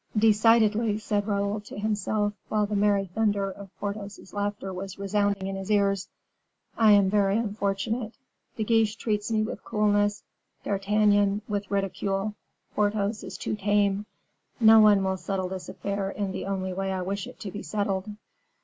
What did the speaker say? "Decidedly," said Raoul to himself while the merry thunder of Porthos's laughter was resounding in his ears, "I am very unfortunate. De Guiche treats me with coolness, D'Artagnan with ridicule, Porthos is too tame; no one will settle this affair in the only way I wish it to be settled.